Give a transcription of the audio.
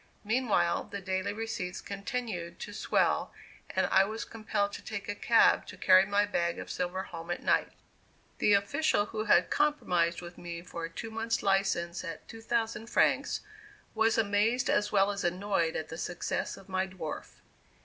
Meanwhile, the daily receipts continued to swell, and I was compelled to take a cab to carry my bag of silver home at night. The official, who had compromised with me for a two months' license at 2,000 francs, was amazed as well as annoyed at the success of my "dwarf."